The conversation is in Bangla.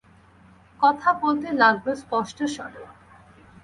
কথা বলতে লাগল স্পষ্ট স্বরে।